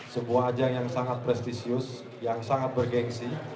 sebuah ajang yang sangat prestisius yang sangat bergensi